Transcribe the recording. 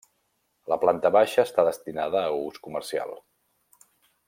La planta baixa està destinada a ús comercial.